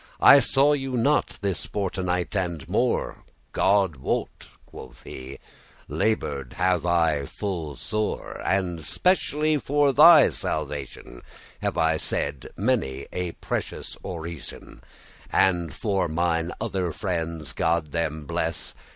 I saw you not this fortenight and more." "God wot," quoth he, "labour'd have I full sore; And specially for thy salvation Have I said many a precious orison, And for mine other friendes, God them bless.